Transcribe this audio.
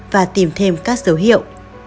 và tìm thêm các dấu hiệu